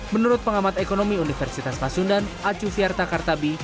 menurut pengamat ekonomi universitas pasundan acu fiarta kartabi